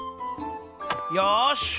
よし！